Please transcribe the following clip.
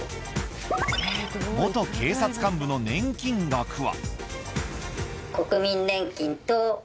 元警察幹部の年金額は？